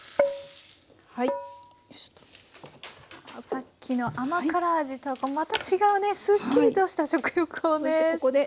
さっきの甘辛味とはまた違うすっきりとした食欲をそそる香り。